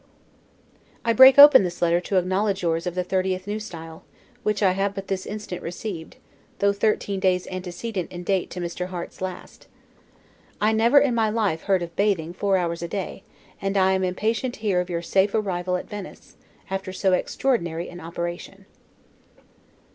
I break open this letter to acknowledge yours of the 30th June, N. S., which I have but this instant received, though thirteen days antecedent in date to Mr. Harte's last. I never in my life heard of bathing four hours a day; and I am impatient to hear of your safe arrival at Venice, after so extraordinary an operation.